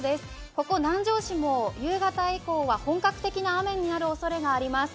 ここ南城市も夕方以降は本格的な雨になるおそれがあります。